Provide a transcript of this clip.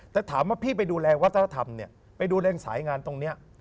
แต่ถามว่าพี่ไปดูแลวัฒนธรรมเนี่ยไปดูแลสายงานตรงนี้